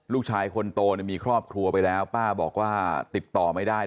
ลูกชายคนโตมีครอบครัวไปแล้วป้าบอกว่าติดต่อไม่ได้